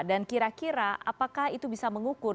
dan kira kira apakah itu bisa mengukur